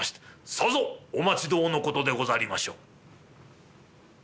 さぞお待ち遠の事でござりましょう」。